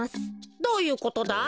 どういうことだ？